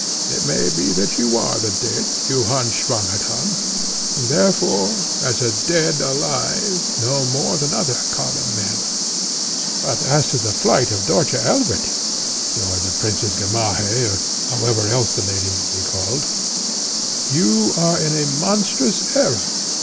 It may be that you are the dead John Swammerdamm, and, therefore, as a dead alive, know more than other common men; but as to the flight of Dörtje Elverdink, or the Princess Gamaheh, or however else the lady may be called, you are in a monstrous error.